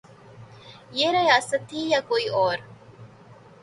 یہ ریاست تھی یا کوئی اور؟